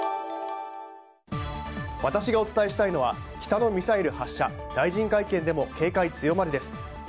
私がお伝えしたいのは北のミサイル発射大臣会見でも警戒強まるです。